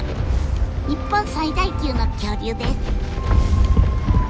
日本最大級の恐竜です。